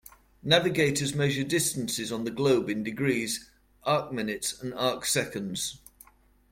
Navigators measure distance on the globe in degrees, arcminutes and arcseconds.